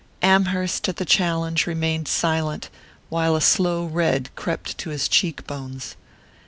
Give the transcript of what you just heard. Amherst, at the challenge, remained silent, while a slow red crept to his cheek bones.